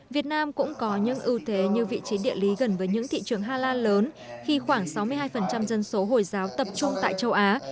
việt nam cũng có những ưu thế như vị trí địa lý gần với những thị trường hala lớn khi khoảng sáu mươi hai dân số hồi giáo tập trung tại châu á